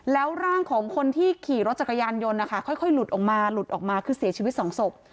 แล้วร่างของคนที่ขี่รถจักรยานยนต์นะคะค่อยหลุดออกมาหลุดออกมาคือเสียชีวิตสองศพ